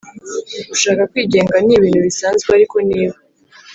Gushaka kwigenga ni ibintu bisanzwe Ariko niba